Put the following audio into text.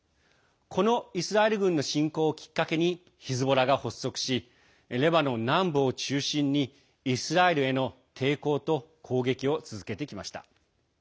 このイスラエル軍の侵攻をきっかけに、ヒズボラが発足しレバノン南部を中心にイスラエルへの抵抗と攻撃を続けてきました。